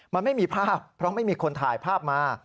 มันไม่มีภาพเพราะไม่มีคนถ่ายภาพมา